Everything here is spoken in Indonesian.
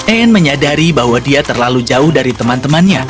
anne menyadari bahwa dia terlalu jauh dari teman temannya